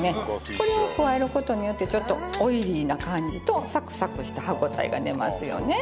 これを加える事によってちょっとオイリーな感じとサクサクした歯応えが出ますよね。